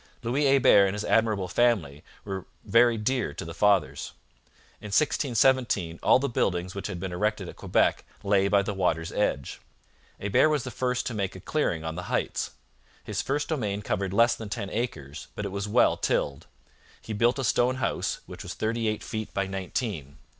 Louis Hebert and his admirable family were very dear to the Fathers. In 1617 all the buildings which had been erected at Quebec lay by the water's edge. Hebert was the first to make a clearing on the heights. His first domain covered less than ten acres, but it was well tilled. He built a stone house, which was thirty eight feet by nineteen.